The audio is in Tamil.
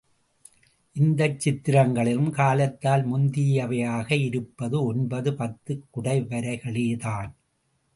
இந்தச் சித்திரங்களிலும் காலத்தால் முந்தியவையாக இருப்பது ஒன்பது, பத்து குடைவரைகளேதான்.